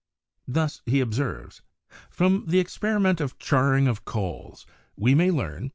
Thus he observes : "From the experiment of charring of coals ... we may learn